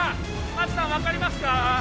真紀さん分かりますか？